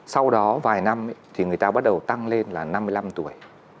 sau đó vài năm thì người ta bắt đầu tăng lên là năm mươi năm tuổi